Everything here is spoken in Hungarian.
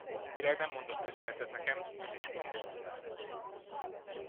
A virág nem mondott köszönetet nekem, nem is gondolt velem.